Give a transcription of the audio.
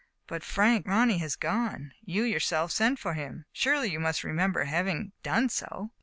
" But, Frank, Ronny has gone. You yourself sent for him. Surely you must remember having done so.'